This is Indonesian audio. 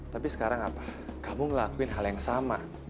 tapi sekarang apa kamu ngelakuin hal yang sama